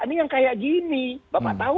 ini yang kayak gini bapak tahu